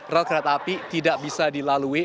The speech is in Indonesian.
rel kereta api tidak bisa dilalui